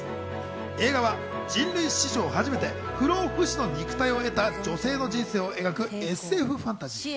映画は人類史上初めて不老不死の肉体を得た女性の人生を描くＳＦファンタジー。